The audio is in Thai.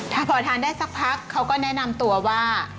ถ้าพอทานได้สักพักเขาก็แนะนำตัวว่า